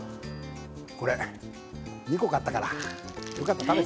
これ２個買ったからよかったら食べて。